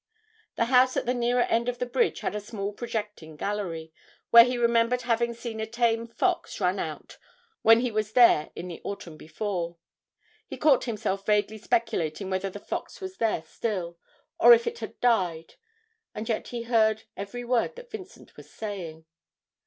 The house at the nearer end of the bridge had a small projecting gallery, where he remembered having seen a tame fox run out when he was there in the autumn before. He caught himself vaguely speculating whether the fox was there still, or if it had died; and yet he heard every word that Vincent was saying.